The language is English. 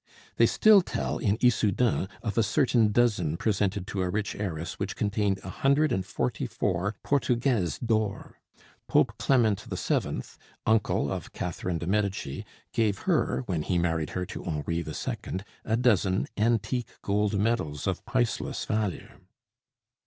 They still tell in Issoudun of a certain "dozen" presented to a rich heiress, which contained a hundred and forty four portugaises d'or. Pope Clement VII., uncle of Catherine de' Medici, gave her when he married her to Henri II. a dozen antique gold medals of priceless value.